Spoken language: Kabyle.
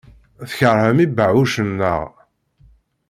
Tkeṛhem ibeɛɛucen, naɣ?